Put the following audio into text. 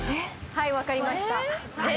はい分かりました